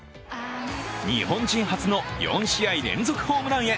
日本人初の４試合連続ホームランへ。